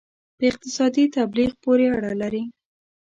په اقتصادي تبلیغ پورې اړه لري.